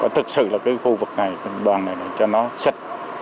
thực sự là cái khu vực này đoàn này này cho nó sạch